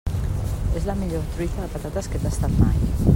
És la millor truita de patates que he tastat mai.